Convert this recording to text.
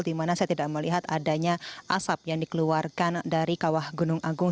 di mana saya tidak melihat adanya asap yang dikeluarkan dari kawah gunung agung